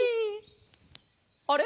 あれ？